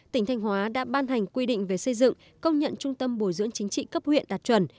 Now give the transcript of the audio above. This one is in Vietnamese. tỉnh thanh hóa đã ban hành quy định về xây dựng công nhận trung tâm bồi dưỡng chính trị cấp huyện đạt chuẩn